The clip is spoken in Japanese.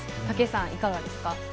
武井さん、いかがですか。